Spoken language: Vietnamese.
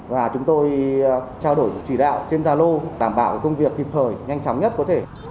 và chúng tôi trao đổi chỉ đạo trên gia lô đảm bảo công việc kịp thời nhanh chóng nhất có thể